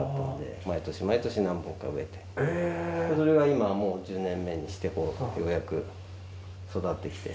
それが今はもう１０年目にしてようやく育ってきて。